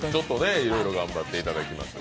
いろいろ頑張っていただきましょう。